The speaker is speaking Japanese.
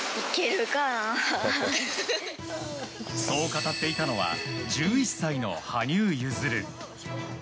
そう語っていたのは１１歳の羽生結弦。